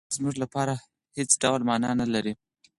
وخت زموږ لپاره هېڅ ډول مانا نهلري.